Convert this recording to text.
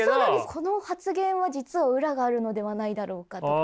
この発言は実は裏があるのではないだろうかとか。